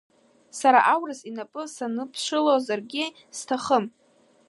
Сара аурыс инапы санԥшылозаргьы сҭахым.